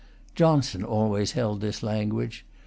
Johnson always held this language.